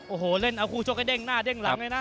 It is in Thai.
โอ้โหเล่นเอาคู่ชกให้เด้งหน้าเด้งหลังเลยนะ